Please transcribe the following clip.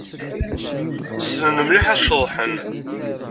Ssnen mliḥ ad ceḍḥen.